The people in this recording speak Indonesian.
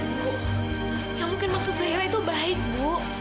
bu yang mungkin maksud saya itu baik bu